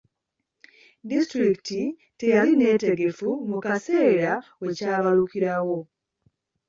Disitulikiti teyali neetegefu mu kaseera we kyabalukirawo.